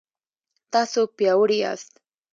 تاسو پیاوړي یاست